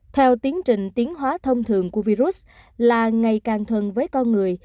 theo tiến trình tiến hóa thông thường của virus là ngày càng thuần với con người